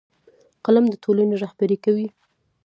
قلم د ټولنې رهبري کوي